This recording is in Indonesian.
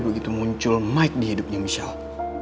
begitu muncul mike di hidupnya misal